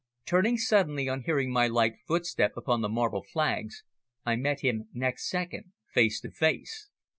Turning suddenly on hearing my light footstep upon the marble flags, I met him next second face to face.